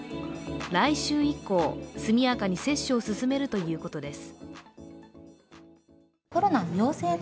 来週以降、速やかに接種を進めるということです。